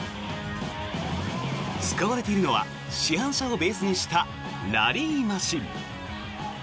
使われているのは市販車をベースにしたラリーマシン。